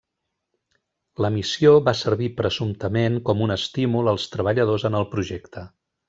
La missió va servir presumptament com un estímul als treballadors en el projecte.